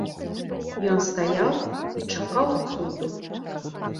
Ён стаяў і чакаў цуду.